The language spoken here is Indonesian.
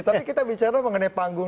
tapi kita bicara mengenai panggung